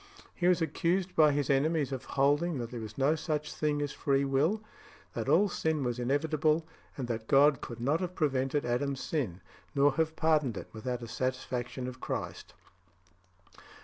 He was accused by his enemies of holding that there was no such thing as free will; that all sin was inevitable; and that God could not have prevented Adam's sin, nor have pardoned it without the satisfaction of Christ.